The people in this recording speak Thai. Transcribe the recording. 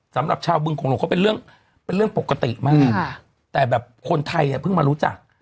สำหรับชาวบึงของหลวงเขาเป็นเรื่องเป็นเรื่องปกติมากแต่แบบคนไทยเพิ่งมารู้จัก